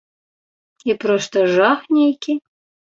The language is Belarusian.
І проста жах нейкі.